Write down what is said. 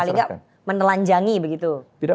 paling nggak menelanjangi begitu